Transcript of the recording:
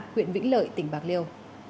huyện vĩnh lợi tỉnh bạc liêu